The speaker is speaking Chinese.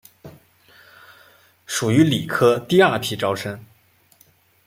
属于理科第二批招生。